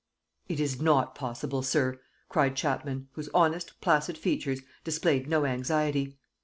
... "It is not possible, sir!" cried Chapman, whose honest, placid features displayed no anxiety.